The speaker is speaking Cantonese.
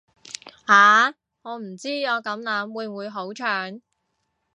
啊，我唔知我咁諗會唔會好蠢